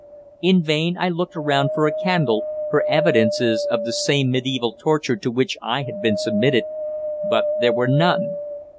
In vain I looked around for a candle for evidences of the same mediæval torture to which I had been submitted, but there were none.